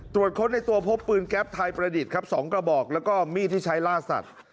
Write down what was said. ตรวจค้นในตัวพบปืนแก๊ปไทยประดิษฐ์ครับ๒กระบอกแล้วก็มีดที่ใช้ล่าสัตว์